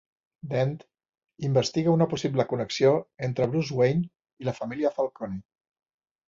Dent investiga una possible connexió entre Bruce Wayne i la família Falcone.